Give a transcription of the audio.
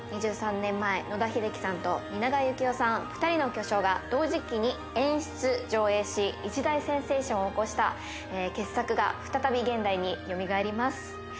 ２３年前野田秀樹さんと蜷川幸雄さん２人の巨匠が同時期に演出・上演し一大センセーションを起こした傑作が再び現代によみがえります